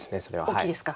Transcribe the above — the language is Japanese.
大きいですか。